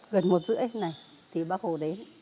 gần một rưỡi này thì bác hồ đến